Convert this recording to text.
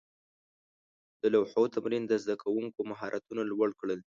د لوحو تمرین د زده کوونکو مهارتونه لوړ کړل.